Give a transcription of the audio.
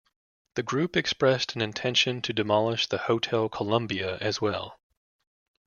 The group expressed an intention to demolish the Hotel Columbia as well.